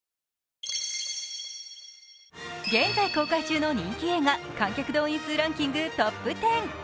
現在公開中の人気映画観客動員数ランキングトップ１０。